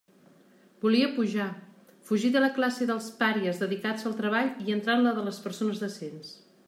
Volia pujar, fugir de la classe dels pàries dedicats al treball i entrar en la de les «persones decents».